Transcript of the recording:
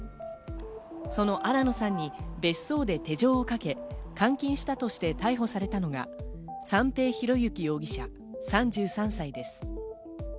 その新野さんに別荘で手錠をかけ、監禁したとして逮捕されたのが三瓶博幸容疑者、３３歳です。